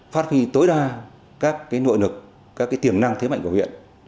phát triển tối đa các cái nội lực các cái tiềm năng thế mạnh của huyện